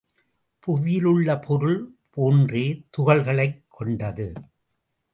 புவியிலுள்ள பொருள் போன்றே துகள்களைக் கொண்டது.